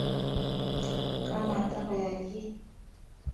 Kamatakoyae kiy